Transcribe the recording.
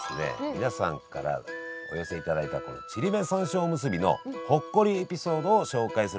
皆さんからお寄せいただいたこのちりめん山椒おむすびのほっこりエピソードを紹介するコーナーです！